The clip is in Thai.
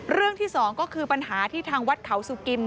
เรื่องที่๒ก็คือปัญหาที่ทางวัดเขาสุกิม